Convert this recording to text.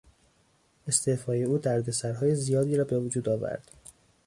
استعفای او دردسرهای زیادی را بوجود آورد.